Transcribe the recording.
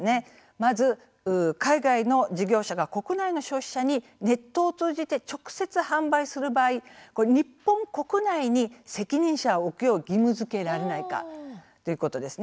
まず、海外の事業者が国内の消費者にネットを通じて直接、販売する場合日本国内に責任者を置くよう義務づけられないかということですね。